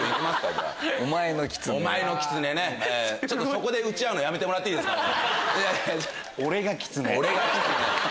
そこで打ち合うのやめてもらっていいですか。